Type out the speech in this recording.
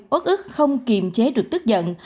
ước ước không kiềm chế được tức giận